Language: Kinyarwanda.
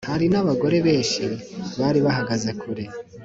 Hariho n abagore benshi bari bahagaze kure